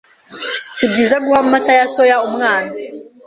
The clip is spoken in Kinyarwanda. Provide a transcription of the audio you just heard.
si byiza guha amata ya soya umwana